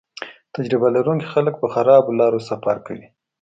تجربه لرونکي خلک په خرابو لارو سفر کوي